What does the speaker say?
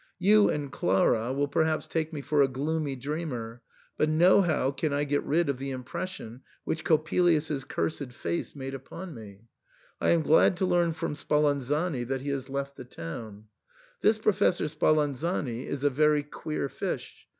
You and Clara will perhaps take me for a gloomy dreamer, but nohow can I get rid of the impression which Coppelius's cursed face made upon me. I am glad to learn from Spalan zani that he has left the town. This Professor Spalan zani is a very queer fish.